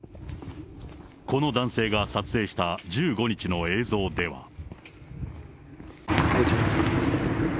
この男性が撮影した１５日の映像では。